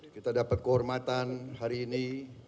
kita dapat kehormatan hari ini